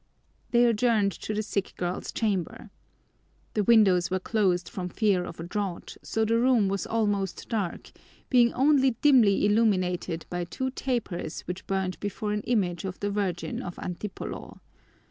They adjourned to the sick girl's chamber. The windows were closed from fear of a draught, so the room was almost dark, being only dimly illuminated by two tapers which burned before an image of the Virgin of Antipolo.